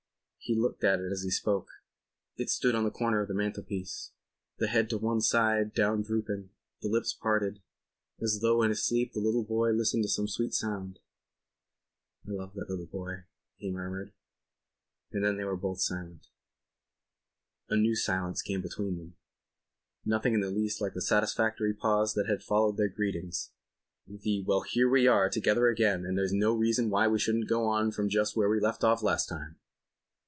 He looked at it as he spoke. It stood on the corner of the mantelpiece; the head to one side down drooping, the lips parted, as though in his sleep the little boy listened to some sweet sound. ... "I love that little boy," he murmured. And then they both were silent. A new silence came between them. Nothing in the least like the satisfactory pause that had followed their greetings—the "Well, here we are together again, and there's no reason why we shouldn't go on from just where we left off last time."